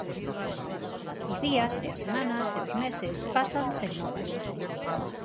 Os días e as semanas e os meses pasan sen novas.